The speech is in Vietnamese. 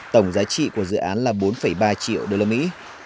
tổng giá trị của dự án là bốn ba triệu đô la mỹ